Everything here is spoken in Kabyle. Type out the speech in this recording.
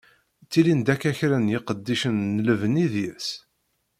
Ttilin-d akka kra n yiqeddicen n lebni deg-s.